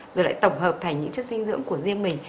rồi lại tổng hợp thành những chất dinh dưỡng của riêng mình